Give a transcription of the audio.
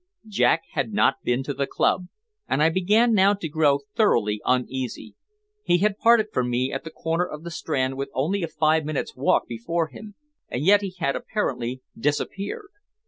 Jack had not been to the club, and I began now to grow thoroughly uneasy. He had parted from me at the corner of the Strand with only a five minutes' walk before him, and yet he had apparently disappeared.